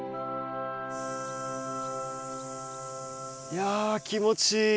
いや気持ちいい。